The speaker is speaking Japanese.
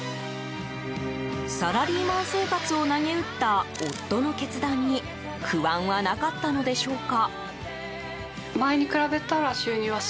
サラリーマン生活をなげうった夫の決断に不安はなかったのでしょうか？